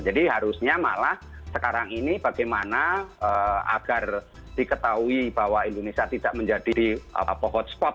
jadi harusnya malah sekarang ini bagaimana agar diketahui bahwa indonesia tidak menjadi pohot spot